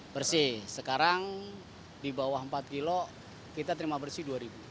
bersih sekarang di bawah empat kilo kita terima bersih dua ribu